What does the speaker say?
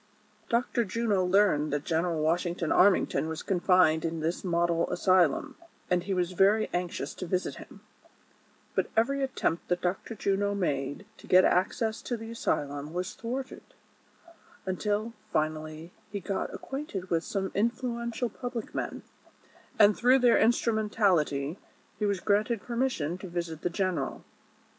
Dr. Juno learned that General Washington Armington was confined in this model asylum, and he was very anxious to visit him ; but every attempt that Dr. Juno made to get access to the asylum was thwarted ; until, finally, he got acquainted with some influential public men, and through their instrumentality he was granted permis sion to visit the general.